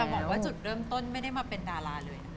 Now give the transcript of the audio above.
แต่บอกว่าจุดเริ่มต้นไม่ได้มาเป็นดาราเลยนะคะ